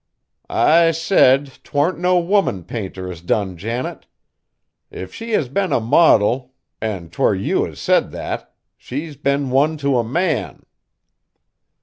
"I said, 'twarn't no woman painter as done Janet. If she has been a modil an' 'twere you as said that she's been one to a man!"